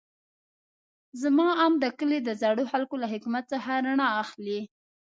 زما اند د کلي د زړو خلکو له حکمت څخه رڼا اخلي.